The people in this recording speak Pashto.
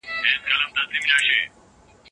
خپل کور په شنو ګلانو سنبال کړئ.